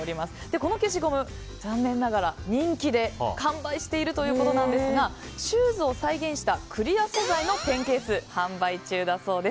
この消しゴム、残念ながら人気で完売しているということですがシューズを再現したクリア素材のペンケースが販売中だそうです。